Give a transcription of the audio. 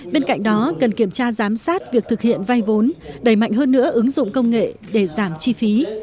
bên cạnh đó cần kiểm tra giám sát việc thực hiện vay vốn đẩy mạnh hơn nữa ứng dụng công nghệ để giảm chi phí